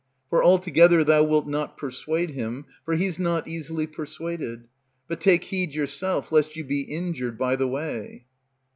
For altogether thou wilt not persuade him, for he's not easily persuaded, But take heed yourself lest you be injured by the way.